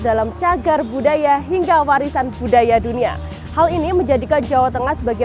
dalam cagar budaya hingga warisan budaya dunia hal ini menjadikan jawa tengah sebagai